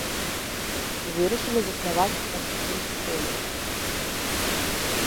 Вырашылі заснаваць пункт пры школе.